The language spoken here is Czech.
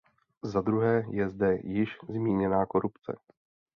Zadruhé, je zde již zmíněná korupce.